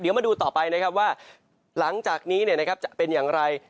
เดี๋ยวมาดูต่อไปนะครับว่าหลังจากนี้จะเป็นอย่างไร